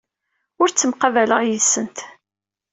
Ur ttemqabaleɣ yid-sent.